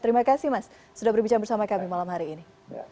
terima kasih mas sudah berbicara bersama kami malam hari ini